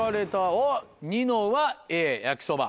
おっニノはＡ焼きそば。